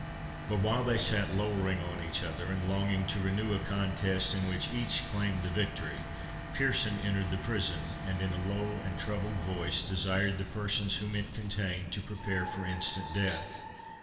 But while they sat lowering on each other, and longing to renew a contest in which each claimed the victory, Pearson entered the prison, and in a low and troubled voice, desired the persons whom it contained to prepare for instant death.